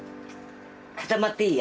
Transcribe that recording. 固まっていい？